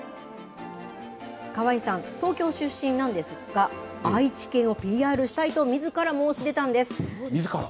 河合さん、東京出身なんですが、愛知県をＰＲしたいとみずから申し出たんでみずから？